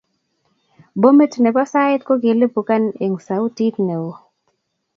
Bomit nepo sait kokilipukan eng sautit neo